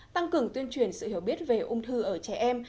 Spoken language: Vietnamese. tăng cường tuyên truyền sự hiểu biết về ung thư ở trẻ em